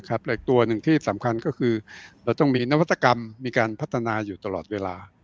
และอีกตัวหนึ่งที่สำคัญก็คือเราต้องมีนวัตกรรมมีการพัฒนาอยู่ตลอดเวลา